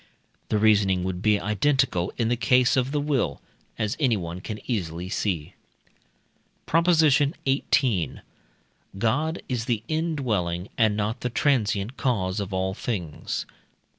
The reasoning would be identical in the case of the will, as anyone can easily see. PROP. XVIII. God is the indwelling and not the transient cause of all things.